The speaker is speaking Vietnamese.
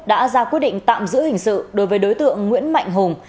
đã ra quyết định tạm giữ hình sự đối với đối tượng nguyễn mạnh hùng